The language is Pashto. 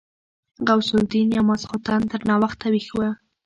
غوث الدين يو ماخستن تر ناوخته ويښ و.